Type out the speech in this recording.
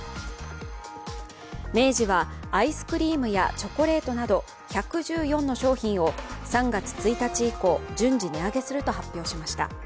明治はアイスクリームやチョコレートなど１１４の商品を３月１日以降順次、値上げすると発表しました。